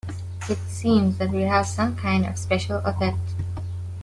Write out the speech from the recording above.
It seems that we have some kind of special effect.